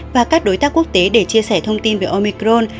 và các đối tác quốc tế để chia sẻ thông tin về omicron